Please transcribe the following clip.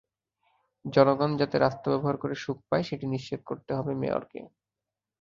জনগণ যাতে রাস্তা ব্যবহার করে সুখ পায়, সেটি নিশ্চিত করতে হবে মেয়রকে।